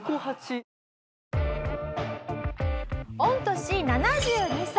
御年７２歳。